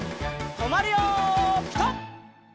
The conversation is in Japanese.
とまるよピタ！